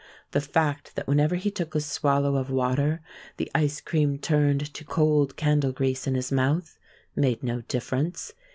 The fact that whenever he took a swallow of water the ice cream turned to cold candle grease in his mouth made no difference.